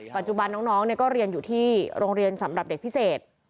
ปัจจุบันน้องก็เรียนอยู่ที่โรงเรียนสำหรับเด็กพิเศษ